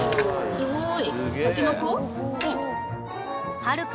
すごい。